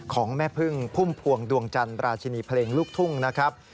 ของแม่พึ่งพุ่มพวงดวงจันทร์ราชินีเพลงลูกทุ่งนะครับ